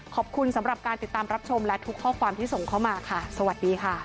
ขอบคุณสำหรับการติดตามรับชมและทุกข้อความที่ส่งเข้ามาค่ะสวัสดีค่ะ